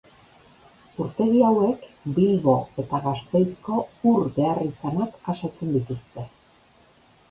Urtegi hauek Bilbo eta Gasteizko ur beharrizanak asetzen dituzte.